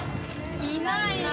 いないな。